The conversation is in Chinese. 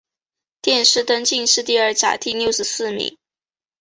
殿试登进士第二甲第六十四名。